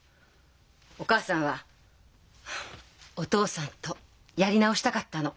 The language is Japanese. お母さんはお父さんとやり直したかったの。